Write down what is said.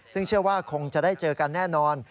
ซึ่งเชื่อว่าคงจะได้เจอกันแน่นอน